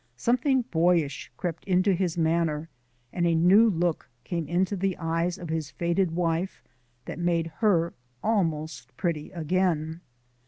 Something boyish crept into his manner, and a new look came into the eyes of his faded wife that made her almost pretty again.